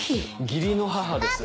義理の母です。